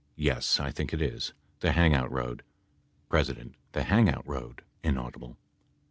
Yes, I think it is. The hang out road P. The hang out road. [inaudible]